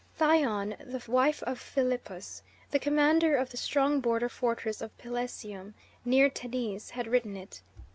Thyone, the wife of Philippus, the commander of the strong border fortress of Pelusium, near Tennis, had written it.